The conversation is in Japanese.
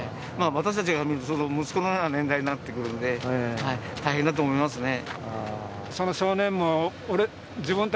私たちからすると息子のような年代になってくるので大変だと思いますね。